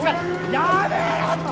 やめろって！